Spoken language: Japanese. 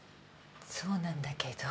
そうなんだけど。